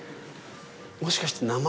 もしかして名前？